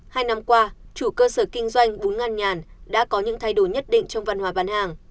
hai năm qua chủ cơ sở kinh doanh bún ngăn nhàn đã có những thay đổi nhất định trong văn hóa bán hàng